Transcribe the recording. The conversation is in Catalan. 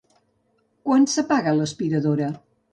Quan s'apaga l'aspiradora?